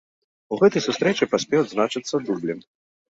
У гэтай сустрэчы паспеў адзначыцца дублем.